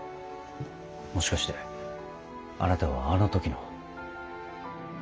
もしかしてあなたはあの時の。